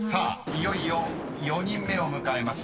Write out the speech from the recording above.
いよいよ４人目を迎えました］